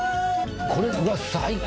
これうわっ最高！